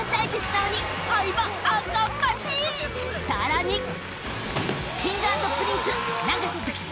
［さらに］